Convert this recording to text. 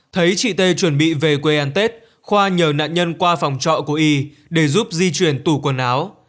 thấy chị tê chuẩn bị về quê ăn tết khoa nhờ nạn nhân qua phòng trọ của y để giúp di chuyển tủ quần áo